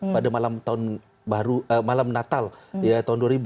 pada malam tahun baru malam natal tahun dua ribu